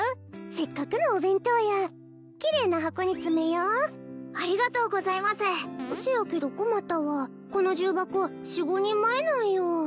せっかくのお弁当やキレイな箱に詰めよありがとうございますせやけど困ったわこの重箱４５人前なんよ